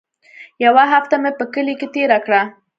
يوه هفته مې په کلي کښې تېره کړه.